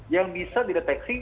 yang bisa dideteksi